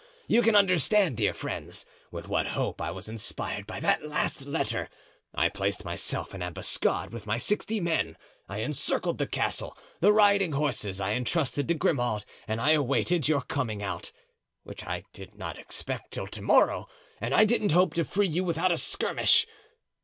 You can understand, dear friend, with what hope I was inspired by that last letter. I placed myself in ambuscade with my sixty men; I encircled the castle; the riding horses I entrusted to Grimaud and I awaited your coming out, which I did not expect till to morrow, and I didn't hope to free you without a skirmish.